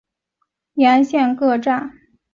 由此等可前往台铁沿线各站。